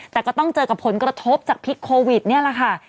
แต่ก็ต้องเจอกับผลกระทบจากพิษโควิดนี่แหละค่ะ